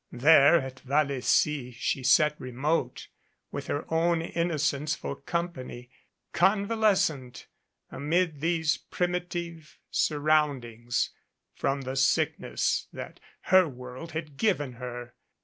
There at Vallecy she sat remote, with her own innocence for company, convalescent amid these primitive surroundings from the sickness that her world had given her.